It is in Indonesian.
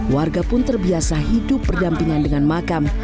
warga pun terbiasa hidup berdampingan dengan makam